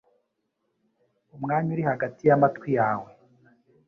umwanya uri hagati y'amatwi yawe.”